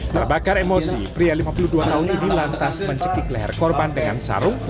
terbakar emosi pria lima puluh dua tahun ini lantas mencekik leher korban dengan sarung